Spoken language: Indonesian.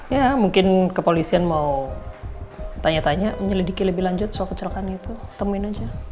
ya mungkin kepolisian mau tanya tanya menyelidiki lebih lanjut soal kecelakaan itu temuin aja